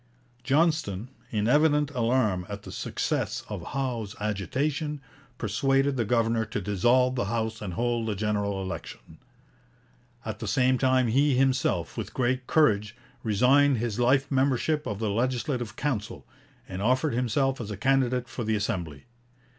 Johnston, in evident alarm at the success of Howe's agitation, persuaded the governor to dissolve the House and hold a general election. At the same time he himself, with great courage, resigned his life membership of the Legislative Council, and offered himself as a candidate for the Assembly.